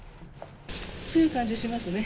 強い感じしますね。